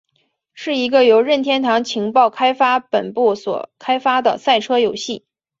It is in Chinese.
是一个由任天堂情报开发本部所开发的赛车游戏。